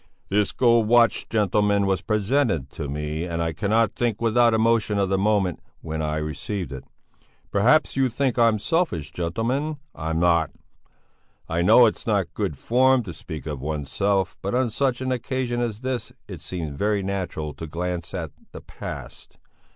"This gold watch, gentlemen, was presented to me, and I cannot think without emotion of the moment when I received it. Perhaps you think I'm selfish gentlemen? I'm not. I know it's not good form to speak of oneself, but on such an occasion as this it seems very natural to glance at the past.